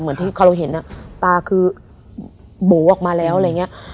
เหมือนที่เขาเห็นอะตาคือโบ๋ออกมาแล้วอะไรเงี้ย